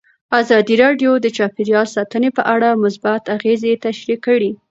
ازادي راډیو د چاپیریال ساتنه په اړه مثبت اغېزې تشریح کړي.